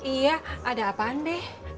iya ada apaan deh